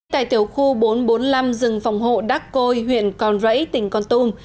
tại tiểu khu bốn trăm bốn mươi năm rừng phòng hộ đắc côi huyện con rẫy tỉnh con tum